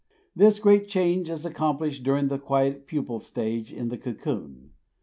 This great change is accomplished during the quiet pupal stage in the cocoon.